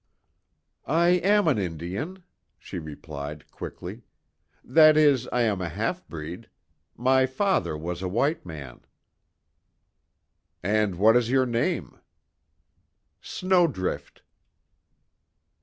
"I am an Indian," she replied, quickly, "That is, I am a half breed. My father was a white man." "And what is your name?" "Snowdrift."